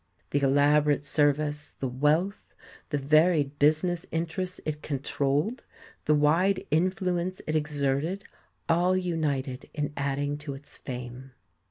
The elaborate service, the wealth, the varied business interests it controlled, the wide influence it exerted, all united in adding to its fame.